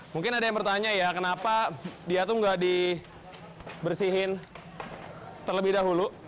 mungkin ada yang bertanya ya kenapa kerang tidak dibersihkan terlebih dahulu